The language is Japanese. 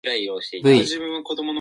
ｖ